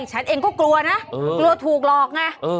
ฉันเองก็กลัวนะกลัวถูกหลอกไง